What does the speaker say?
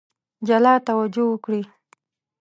جلا توجه وکړي.